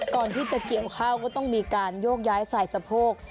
ก่อนที่จะเกี่ยวข้าวก็ต้องมีการโยกย้ายสายสะโพก